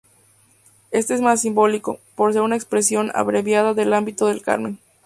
Este es más simbólico, por ser una expresión abreviada del hábito del Carmen.